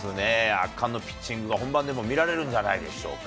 圧巻のピッチングが本番でも見られるんじゃないでしょうか。